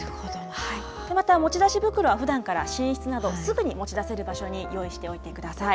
また持ち出し袋はふだんから寝室など、すぐに持ち出せる場所に用意しておいてください。